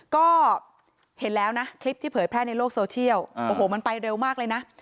ก็เห็นแล้วนะคลิปที่เผยแพร่ในโลกโซเชียลโอ้โหมันไปเร็วมากเลยนะ